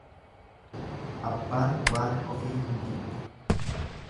Abbaan waan ofii hin jibbu.